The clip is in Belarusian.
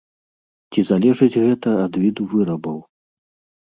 Ці залежыць гэта ад віду выбараў?